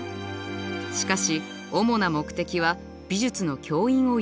しかし主な目的は美術の教員を養成すること。